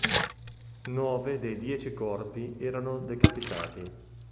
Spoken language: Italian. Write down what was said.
Nove dei dieci corpi erano decapitati.